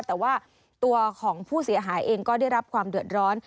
แต่ว่าตัวของผู้เสียหายเองก็ได้รับความเดือดร้อน